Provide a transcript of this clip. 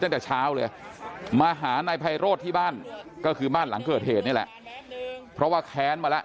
ตั้งแต่เช้าเลยมาหานายไพโรธที่บ้านก็คือบ้านหลังเกิดเหตุนี่แหละเพราะว่าแค้นมาแล้ว